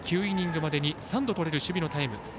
９イニングまでに３度とれる守備のタイム。